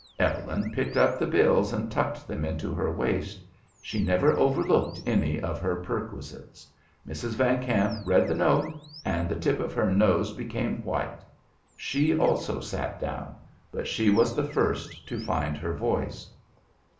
Evelyn picked up the bills and tucked them into her waist. She never overlooked any of her perquisites. Mrs. Van Kamp read the note, and the tip of her nose became white. She also sat down, but she was the first to find her voice.